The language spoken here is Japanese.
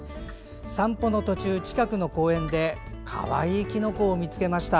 散歩の途中、近くの公園でかわいいきのこを見つけました。